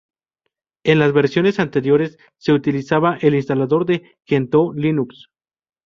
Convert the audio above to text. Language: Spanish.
En las versiones anteriores, se utilizaba el "instalador de Gentoo Linux".